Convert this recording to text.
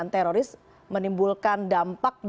terima kasih pak